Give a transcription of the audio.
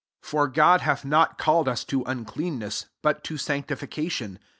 7 For God hath not called us to uncleanness, but to sanc tification.